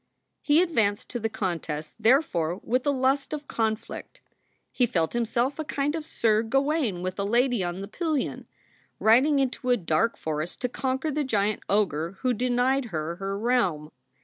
He advanced to the contest, therefore, with a lust of con flict. He felt himself a kind of Sir Gawain with a lady on the pillion, riding into a dark forest to conquer the giant ogre who denied her her realm.